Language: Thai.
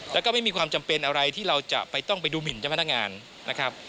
แล้วก็ไม่มีความจำเป็นอะไรที่เราจะต้องไปดูหมินเจ้าพนักงานนะครับ